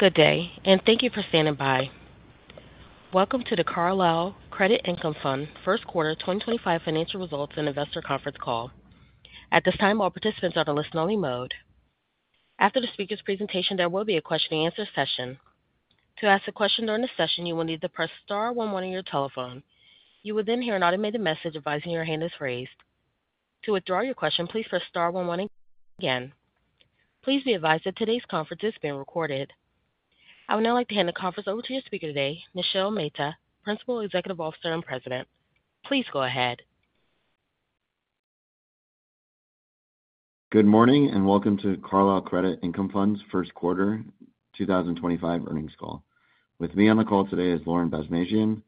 Good day, and thank you for standing by. Welcome to the Carlyle Credit Income Fund First Quarter 2025 Financial Results and Investor Conference Call. At this time, all participants are in a listen-only mode. After the speaker's presentation, there will be a question-and-answer session. To ask a question during the session, you will need to press star one one on your telephone. You will then hear an automated message advising your hand is raised. To withdraw your question, please press star one one again. Please be advised that today's conference is being recorded. I would now like to hand the conference over to your speaker today, Nishil Mehta, Principal Executive Officer and President. Please go ahead. Good morning, and welcome to Carlyle Credit Income Fund's First Quarter 2025 Earnings Call. With me on the call today is Lauren Basmadjian,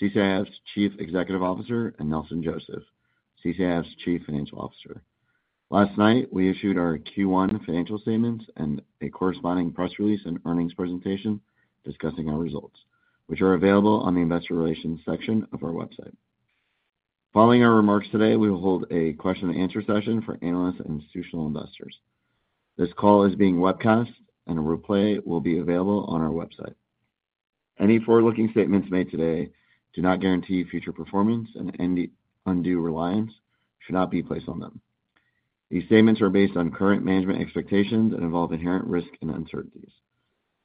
CCIF's Chief Executive Officer, and Nelson Joseph, CCIF's Chief Financial Officer. Last night, we issued our Q1 financial statements and a corresponding press release and earnings presentation discussing our results, which are available on the Investor Relations section of our website. Following our remarks today, we will hold a question-and-answer session for analysts and institutional investors. This call is being webcast, and a replay will be available on our website. Any forward-looking statements made today do not guarantee future performance, and any undue reliance should not be placed on them. These statements are based on current management expectations and involve inherent risk and uncertainties,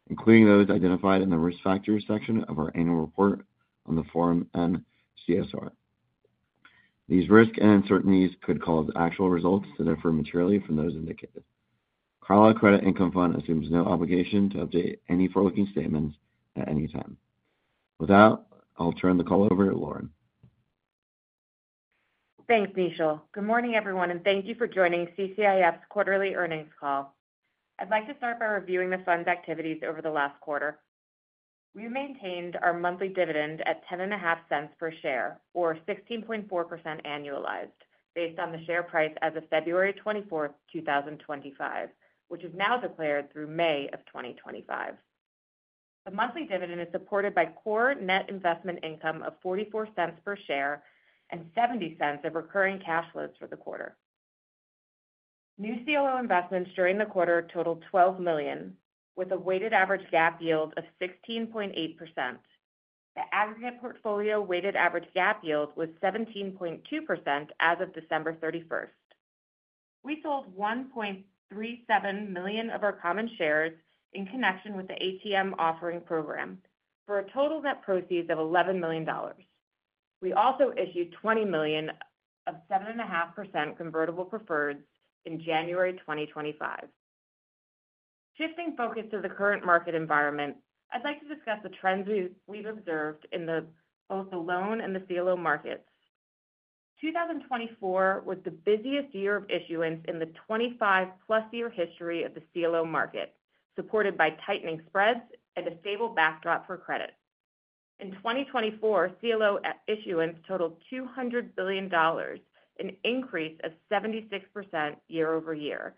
including those identified in the risk factors section of our annual report on the Form N-CSR. These risks and uncertainties could cause actual results to differ materially from those indicated. Carlyle Credit Income Fund assumes no obligation to update any forward-looking statements at any time. With that, I'll turn the call over to Lauren. Thanks, Nishil. Good morning, everyone, and thank you for joining CCIF's Quarterly Earnings Call. I'd like to start by reviewing the fund's activities over the last quarter. We maintained our monthly dividend at $0.105 per share, or 16.4% annualized, based on the share price as of February 24, 2025, which is now declared through May of 2025. The monthly dividend is supported by core net investment income of $0.44 per share and $0.70 of recurring cash flows for the quarter. New CLO investments during the quarter totaled $12 million, with a weighted average GAAP yield of 16.8%. The aggregate portfolio weighted average GAAP yield was 17.2% as of December 31st. We sold 1.37 million of our common shares in connection with the ATM Offering Program for total net proceeds of $11 million. We also issued $20 million of 7.5% convertible preferreds in January 2025. Shifting focus to the current market environment, I'd like to discuss the trends we've observed in both the loan and the CLO markets. 2024 was the busiest year of issuance in the 25-plus year history of the CLO market, supported by tightening spreads and a stable backdrop for credit. In 2024, CLO issuance totaled $200 billion, an increase of 76% year-over-year,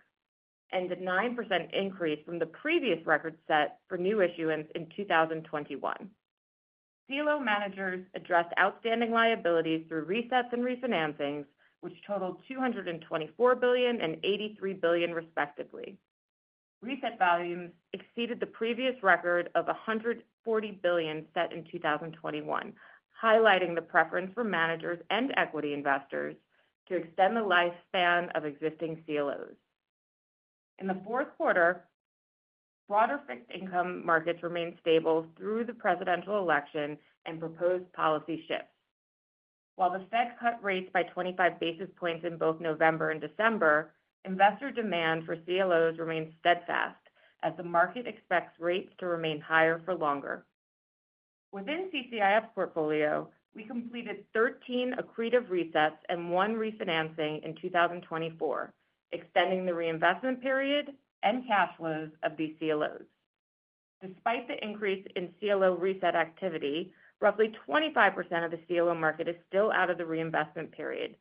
and a 9% increase from the previous record set for new issuance in 2021. CLO managers addressed outstanding liabilities through resets and refinancings, which totaled $224 billion and $83 billion, respectively. Reset volumes exceeded the previous record of $140 billion set in 2021, highlighting the preference for managers and equity investors to extend the lifespan of existing CLOs. In the fourth quarter, broader fixed income markets remained stable through the presidential election and proposed policy shifts. While the Fed cut rates by 25 basis points in both November and December, investor demand for CLOs remained steadfast as the market expects rates to remain higher for longer. Within CCIF's portfolio, we completed 13 accretive resets and one refinancing in 2024, extending the reinvestment period and cash flows of these CLOs. Despite the increase in CLO reset activity, roughly 25% of the CLO market is still out of the reinvestment period,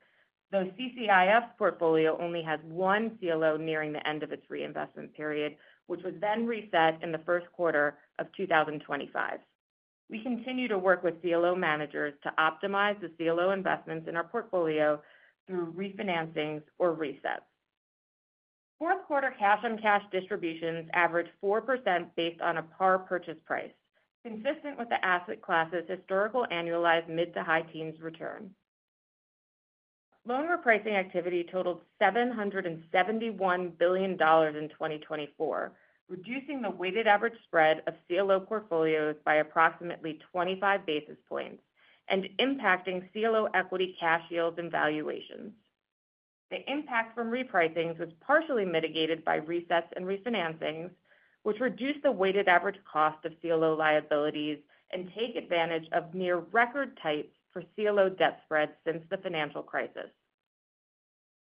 though CCIF's portfolio only has one CLO nearing the end of its reinvestment period, which was then reset in the first quarter of 2025. We continue to work with CLO managers to optimize the CLO investments in our portfolio through refinancings or resets. Fourth quarter cash-on-cash distributions averaged 4% based on a par purchase price, consistent with the asset class's historical annualized mid to high teens return. Loan repricing activity totaled $771 billion in 2024, reducing the weighted average spread of CLO portfolios by approximately 25 basis points and impacting CLO equity cash yields and valuations. The impact from repricings was partially mitigated by resets and refinancings, which reduced the weighted average cost of CLO liabilities and take advantage of near-record tights for CLO debt spreads since the financial crisis.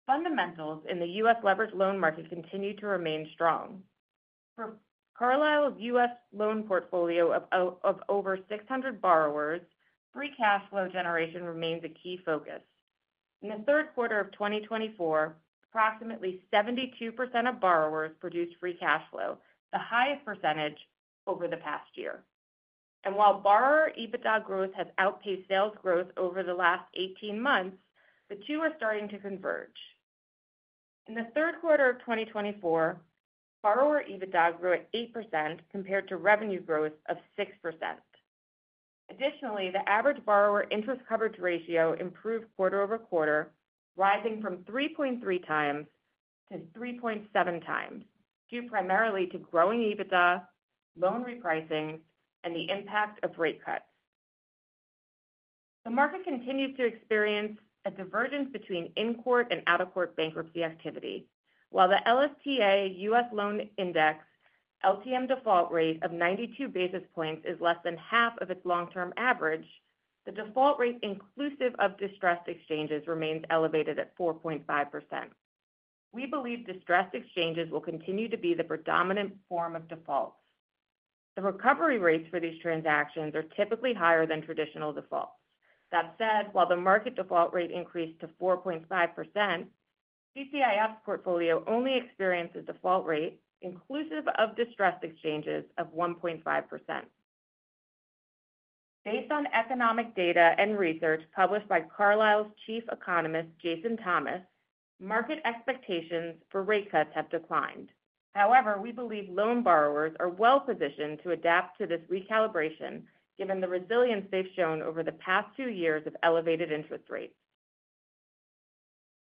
Fundamentals in the U.S. leveraged loan market continue to remain strong. For Carlyle's U.S. loan portfolio of over 600 borrowers, free cash flow generation remains a key focus. In the third quarter of 2024, approximately 72% of borrowers produced free cash flow, the highest percentage over the past year. While borrower EBITDA growth has outpaced sales growth over the last 18 months, the two are starting to converge. In the third quarter of 2024, borrower EBITDA grew at 8% compared to revenue growth of 6%. Additionally, the average borrower interest coverage ratio improved quarter over quarter, rising from 3.3 times to 3.7 times, due primarily to growing EBITDA, loan repricing, and the impact of rate cuts. The market continues to experience a divergence between in-court and out-of-court bankruptcy activity. While the LSTA U.S. loan index LTM default rate of 92 basis points is less than half of its long-term average, the default rate inclusive of distressed exchanges remains elevated at 4.5%. We believe distressed exchanges will continue to be the predominant form of defaults. The recovery rates for these transactions are typically higher than traditional defaults. That said, while the market default rate increased to 4.5%, CCIF's portfolio only experienced a default rate inclusive of distressed exchanges of 1.5%. Based on economic data and research published by Carlyle's Chief Economist, Jason Thomas, market expectations for rate cuts have declined. However, we believe loan borrowers are well-positioned to adapt to this recalibration, given the resilience they've shown over the past two years of elevated interest rates.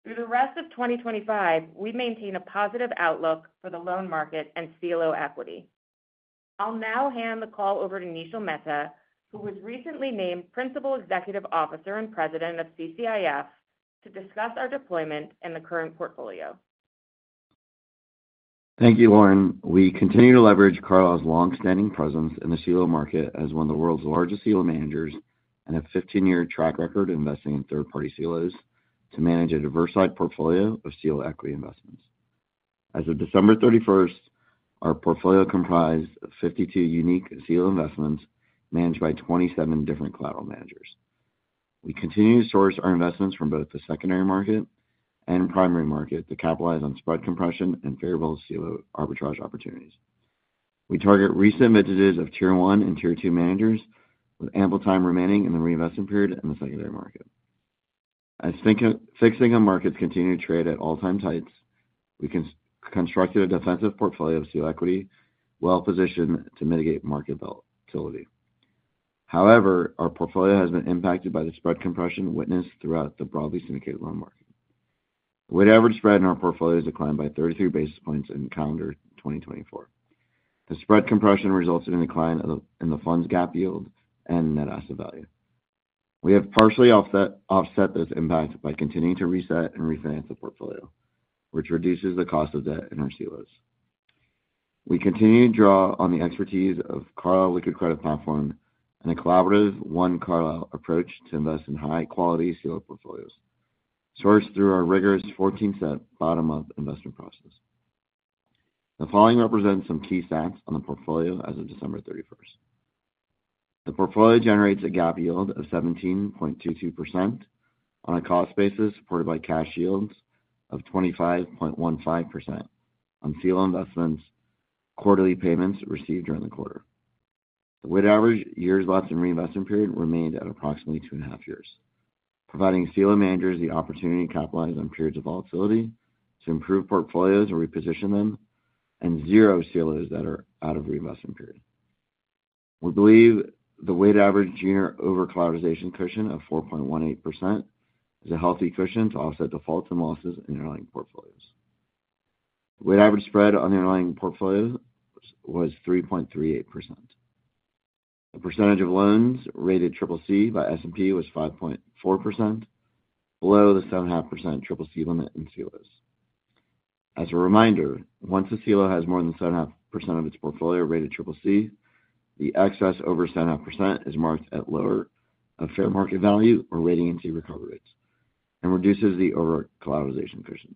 Through the rest of 2025, we maintain a positive outlook for the loan market and CLO equity. I'll now hand the call over to Nishil Mehta, who was recently named Principal Executive Officer and President of CCIF, to discuss our deployment and the current portfolio. Thank you, Lauren. We continue to leverage Carlyle's long-standing presence in the CLO market as one of the world's largest CLO managers and have a 15-year track record of investing in third-party CLOs to manage a diversified portfolio of CLO equity investments. As of December 31, our portfolio comprised 52 unique CLO investments managed by 27 different collateral managers. We continue to source our investments from both the secondary market and primary market to capitalize on spread compression and favorable CLO arbitrage opportunities. We target recent vintages of Tier 1 and Tier 2 managers with ample time remaining in the reinvestment period and the secondary market. As fixed income markets continue to trade at all-time highs, we constructed a defensive portfolio of CLO equity well-positioned to mitigate market volatility. However, our portfolio has been impacted by the spread compression witnessed throughout the broadly syndicated loan market. The weighted average spread in our portfolio has declined by 33 basis points in calendar 2024. The spread compression resulted in a decline in the fund's GAAP yield and net asset value. We have partially offset this impact by continuing to reset and refinance the portfolio, which reduces the cost of debt in our CLOs. We continue to draw on the expertise of Carlyle Liquid Credit Platform and a collaborative One Carlyle approach to invest in high-quality CLO portfolios, sourced through our rigorous 14-step bottom-up investment process. The following represents some key stats on the portfolio as of December 31st. The portfolio generates a GAAP yield of 17.22% on a cost basis supported by cash yields of 25.15% on CLO investments' quarterly payments received during the quarter. The weighted average years left in the reinvestment period remained at approximately two and a half years, providing CLO managers the opportunity to capitalize on periods of volatility to improve portfolios and reposition them, and zero CLOs that are out of the reinvestment period. We believe the weighted average junior over-collateralization cushion of 4.18% is a healthy cushion to offset defaults and losses in underlying portfolios. The weighted average spread on the underlying portfolios was 3.38%. The percentage of loans rated CCC by S&P was 5.4%, below the 7.5% CCC limit in CLOs. As a reminder, once a CLO has more than 7.5% of its portfolio rated CCC, the excess over 7.5% is marked at lower of fair market value or rating into recovery rates and reduces the over-collateralization cushion.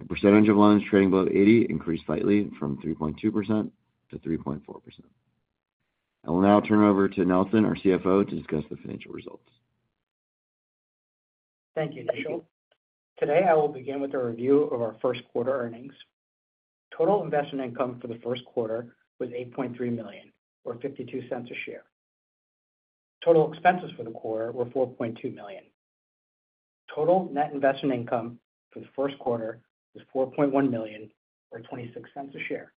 The percentage of loans trading below 80 increased slightly from 3.2% to 3.4%. I will now turn it over to Nelson, our CFO, to discuss the financial results. Thank you, Nishil. Today, I will begin with a review of our first quarter earnings. Total investment income for the first quarter was $8.3 million, or $0.52 a share. Total expenses for the quarter were $4.2 million. Total net investment income for the first quarter was $4.1 million, or $0.26 a share.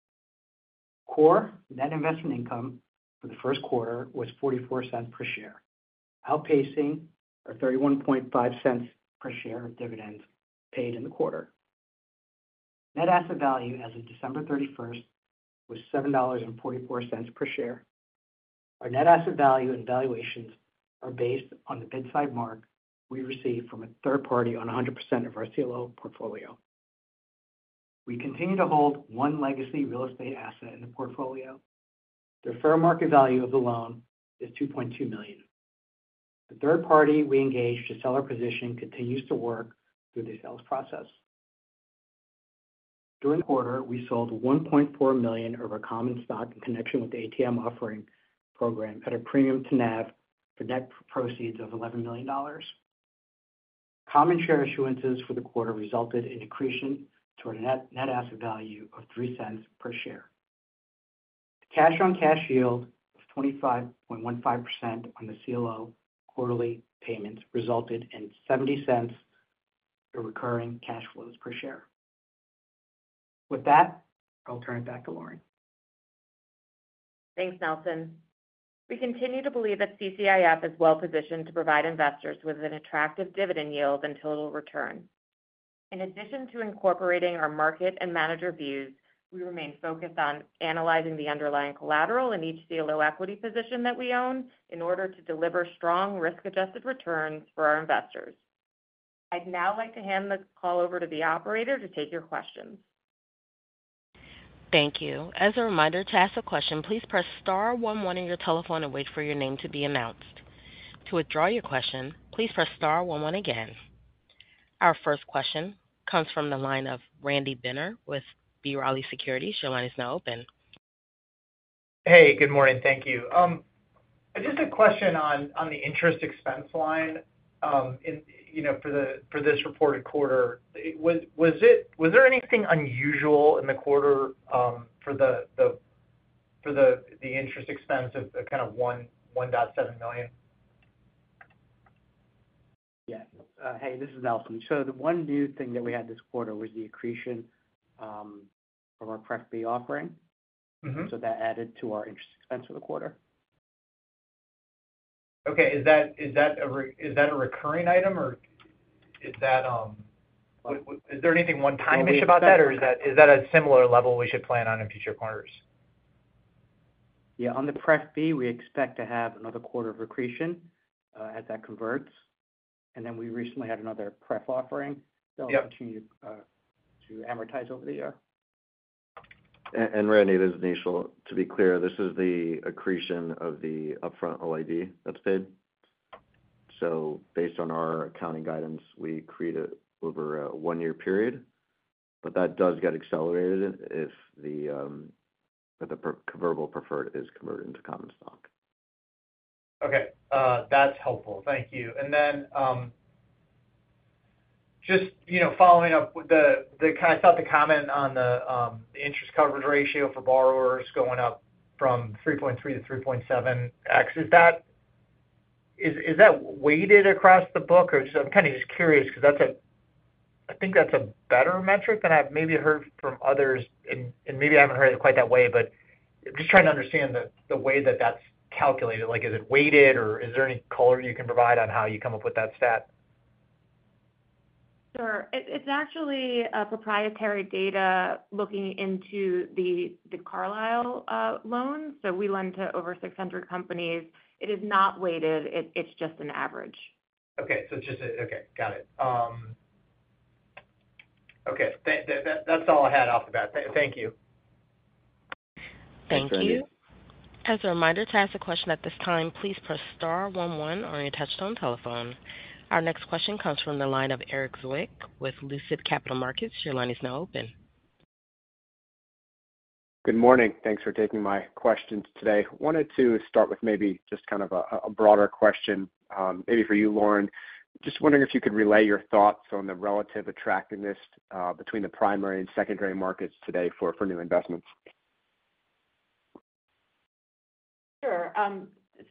Core net investment income for the first quarter was $0.44 per share, outpacing our $0.315 per share dividends paid in the quarter. Net asset value as of December 31st was $7.44 per share. Our net asset value and valuations are based on the bid-side mark we received from a third party on 100% of our CLO portfolio. We continue to hold one legacy real estate asset in the portfolio. The fair market value of the loan is $2.2 million. The third party we engaged to sell our position continues to work through the sales process. During the quarter, we sold 1.4 million of our common stock in connection with the ATM Offering Program at a premium to NAV for net proceeds of $11 million. Common share issuances for the quarter resulted in an increase to our net asset value of $0.03 per share. The cash-on-cash yield of 25.15% on the CLO quarterly payments resulted in $0.70 of recurring cash flows per share. With that, I'll turn it back to Lauren. Thanks, Nelson. We continue to believe that CCIF is well-positioned to provide investors with an attractive dividend yield and total return. In addition to incorporating our market and manager views, we remain focused on analyzing the underlying collateral in each CLO equity position that we own in order to deliver strong risk-adjusted returns for our investors. I'd now like to hand the call over to the operator to take your questions. Thank you. As a reminder to ask a question, please press star one one on your telephone and wait for your name to be announced. To withdraw your question, please press star one one again. Our first question comes from the line of Randy Binner with B. Riley Securities. Your line is now open. Hey, good morning. Thank you. Just a question on the interest expense line for this reported quarter. Was there anything unusual in the quarter for the interest expense of kind of $1.7 million? Yes. Hey, this is Nelson. The one new thing that we had this quarter was the accretion from our Pref B offering. That added to our interest expense for the quarter. Okay. Is that a recurring item, or is there anything one-time-ish about that, or is that a similar level we should plan on in future quarters? Yeah. On the Pref B, we expect to have another quarter of accretion as that converts. We recently had another Pref offering. They'll continue to amortize over the year. Randy, this is Nishil. To be clear, this is the accretion of the upfront OID that's paid. Based on our accounting guidance, we accrete it over a one-year period. That does get accelerated if the convertible preferred is converted into common stock. Okay. That's helpful. Thank you. Just following up, I thought the comment on the interest coverage ratio for borrowers going up from 3.3 to 3.7x, is that weighted across the book? I'm kind of just curious because I think that's a better metric than I've maybe heard from others. Maybe I haven't heard it quite that way, but just trying to understand the way that that's calculated. Is it weighted, or is there any color you can provide on how you come up with that stat? Sure. It's actually proprietary data looking into the Carlyle loans that we lend to over 600 companies. It is not weighted. It's just an average. Okay. So it's just a—okay. Got it. Okay. That's all I had off the bat. Thank you. Thank you. As a reminder to ask a question at this time, please press star one one on your touchstone telephone. Our next question comes from the line of Erik Zwick with Lucid Capital Markets. Your line is now open. Good morning. Thanks for taking my questions today. Wanted to start with maybe just kind of a broader question, maybe for you, Lauren. Just wondering if you could relay your thoughts on the relative attractiveness between the primary and secondary markets today for new investments. Sure.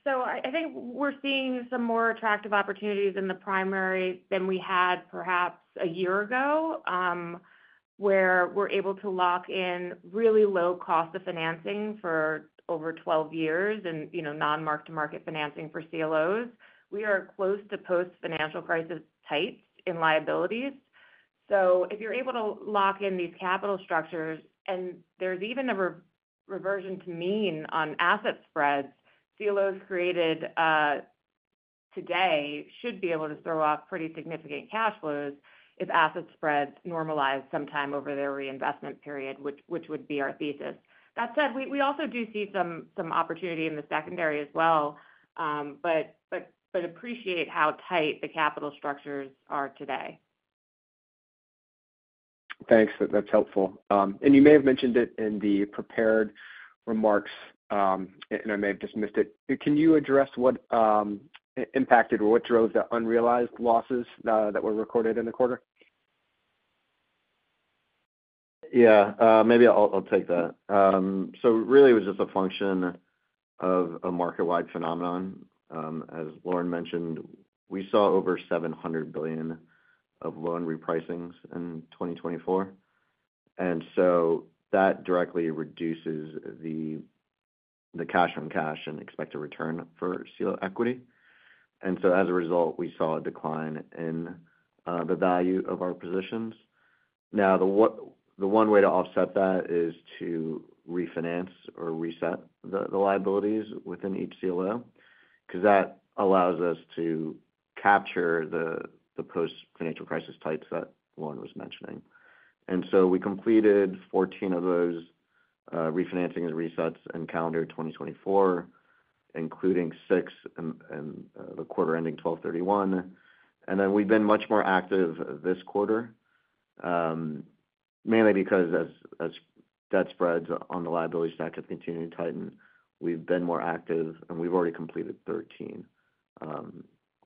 I think we're seeing some more attractive opportunities in the primary than we had perhaps a year ago, where we're able to lock in really low cost of financing for over 12 years and non-mark-to-market financing for CLOs. We are close to post-financial crisis tight in liabilities. If you're able to lock in these capital structures, and there's even a reversion to mean on asset spreads, CLOs created today should be able to throw off pretty significant cash flows if asset spreads normalize sometime over their reinvestment period, which would be our thesis. That said, we also do see some opportunity in the secondary as well, but appreciate how tight the capital structures are today. Thanks. That's helpful. You may have mentioned it in the prepared remarks, and I may have just missed it. Can you address what impacted or what drove the unrealized losses that were recorded in the quarter? Yeah. Maybe I'll take that. Really, it was just a function of a market-wide phenomenon. As Lauren mentioned, we saw over $700 billion of loan repricings in 2024. That directly reduces the cash-on-cash and expected return for CLO equity. As a result, we saw a decline in the value of our positions. The one way to offset that is to refinance or reset the liabilities within each CLO because that allows us to capture the post-financial crisis tights that Lauren was mentioning. We completed 14 of those refinancing and resets in calendar 2024, including six in the quarter ending December 31. We have been much more active this quarter, mainly because as debt spreads on the liability stack have continued to tighten, we have been more active, and we have already completed 13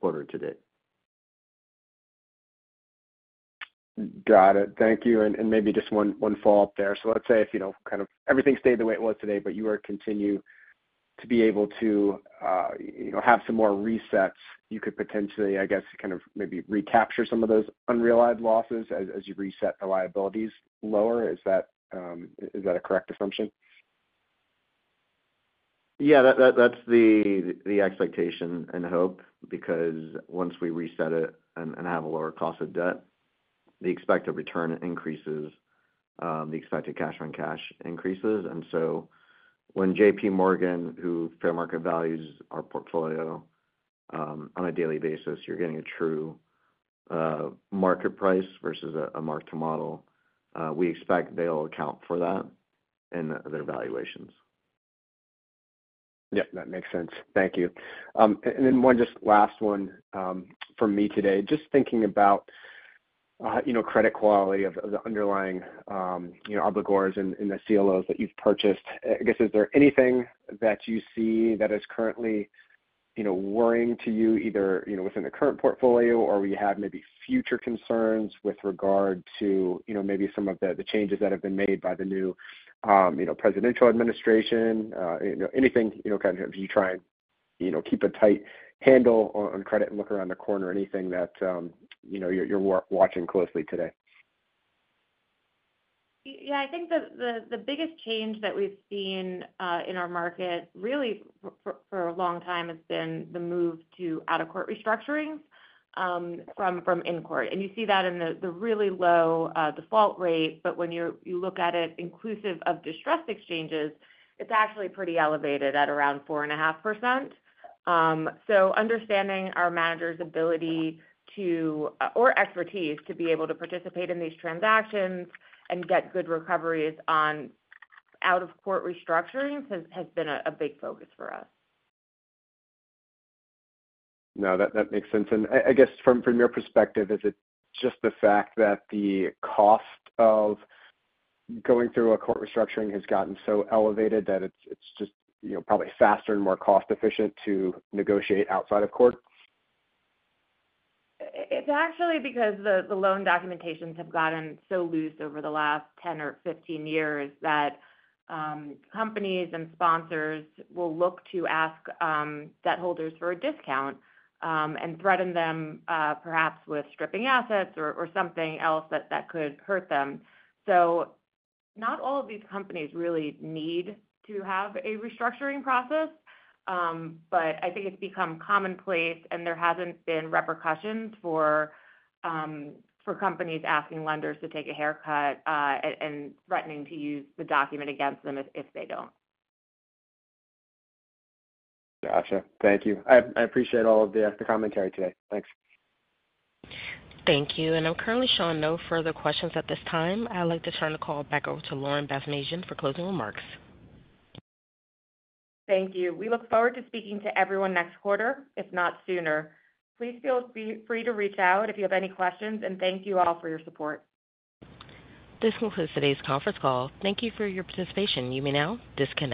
quarter to date. Got it. Thank you. Maybe just one follow-up there. Let's say if kind of everything stayed the way it was today, but you were to continue to be able to have some more resets, you could potentially, I guess, kind of maybe recapture some of those unrealized losses as you reset the liabilities lower. Is that a correct assumption? Yeah. That's the expectation and hope because once we reset it and have a lower cost of debt, the expected return increases, the expected cash-on-cash increases. When J.P. Morgan, who fair market values our portfolio on a daily basis, you're getting a true market price versus a mark-to-model, we expect they'll account for that in their valuations. Yeah. That makes sense. Thank you. One just last one from me today. Just thinking about credit quality of the underlying obligors in the CLOs that you've purchased, I guess, is there anything that you see that is currently worrying to you either within the current portfolio or you have maybe future concerns with regard to maybe some of the changes that have been made by the new presidential administration? Anything kind of you try and keep a tight handle on credit and look around the corner, anything that you're watching closely today? Yeah. I think the biggest change that we've seen in our market really for a long time has been the move to out-of-court restructurings from in court. You see that in the really low default rate. When you look at it inclusive of distressed exchanges, it's actually pretty elevated at around 4.5%. Understanding our manager's ability or expertise to be able to participate in these transactions and get good recoveries on out-of-court restructurings has been a big focus for us. No, that makes sense. I guess from your perspective, is it just the fact that the cost of going through a court restructuring has gotten so elevated that it's just probably faster and more cost-efficient to negotiate outside of court? It's actually because the loan documentations have gotten so loose over the last 10 or 15 years that companies and sponsors will look to ask debt holders for a discount and threaten them perhaps with stripping assets or something else that could hurt them. Not all of these companies really need to have a restructuring process, but I think it's become commonplace, and there hasn't been repercussions for companies asking lenders to take a haircut and threatening to use the document against them if they don't. Gotcha. Thank you. I appreciate all of the commentary today. Thanks. Thank you. I'm currently showing no further questions at this time. I'd like to turn the call back over to Lauren Basmadjian for closing remarks. Thank you. We look forward to speaking to everyone next quarter, if not sooner. Please feel free to reach out if you have any questions. Thank you all for your support. This concludes today's conference call. Thank you for your participation. You may now disconnect.